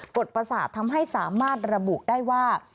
ประสาททำให้สามารถระบุได้ว่า